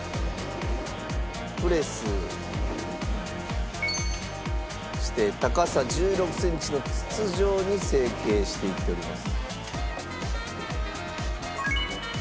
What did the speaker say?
プレスして高さ１６センチの筒状に成型していっております。